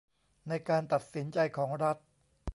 ในการตัดสินใจของรัฐ